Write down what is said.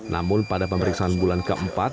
namun pada pemeriksaan bulan keempat